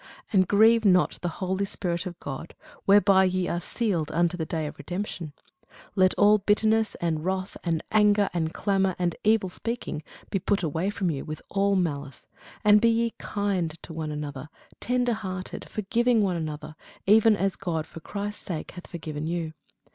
And grieve not the holy Spirit of God, whereby ye are sealed unto the day of redemption. Let all bitterness, and wrath, and anger, and clamour, and evil speaking, be put away from you, with all malice: and be ye kind one to another, tenderhearted, forgiving one another, even as God for Christ's sake hath forgiven you.